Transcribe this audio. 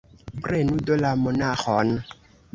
Prenu do la monaĥon!